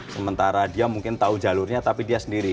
sementara dia mungkin tahu jalurnya tapi dia sendiri